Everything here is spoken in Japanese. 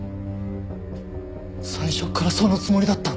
最初からそのつもりだったんだ！